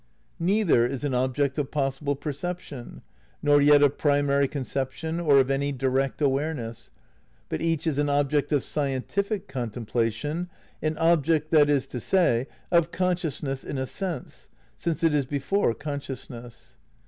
^ Neither is an object of possible perception, nor yet of primary conception or of any direct awareness, but each is an object of scientific contemplation, an object, that is to say, of consciousness in a sense, since it is before consciousness.